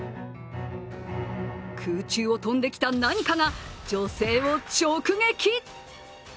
空中を飛んできた何かが女性を直撃。